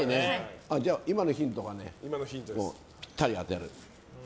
じゃあ今のヒントでぴったり当てる。